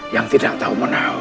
yang tidak tahu menahu